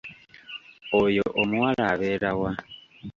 Oyo omuwala abeera wa?